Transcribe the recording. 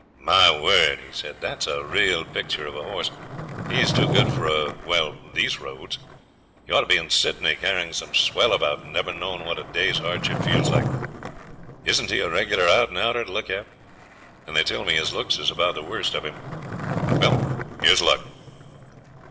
'My word!' he said, 'that's a real picture of a horse; he's too good for a well these roads; he ought to be in Sydney carrying some swell about and never knowing what a day's hardship feels like. Isn't he a regular out and outer to look at? And they tell me his looks is about the worst of him. Well here's luck!'